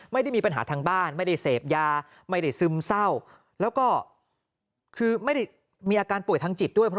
ไม่ได้มีปัญหาทางบ้านไม่ได้เสพยาไม่ได้ซึมเศร้าแล้วก็คือไม่ได้มีอาการป่วยทางจิตด้วย